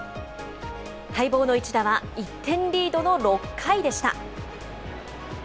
待望の一打は、１点リードの６回でした。